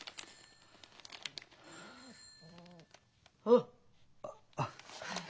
おっ！あっ。